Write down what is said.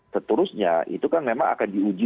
seterusnya itu kan memang akan diuji